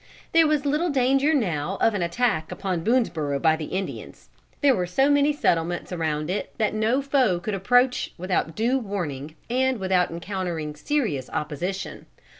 There was little danger now of an attack upon Boonesborough by the Indians. There were so many settlements around it that no foe could approach without due warning and without encountering serious opposition.